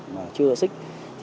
mà chưa xích